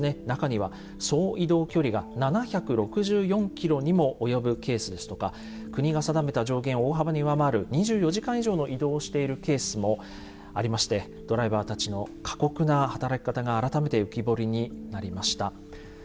中には総移動距離が７６４キロにも及ぶケースですとか国が定めた上限を大幅に上回る２４時間以上の移動をしているケースもありましてドライバーたちの過酷な働き方が改めて浮き彫りになりました。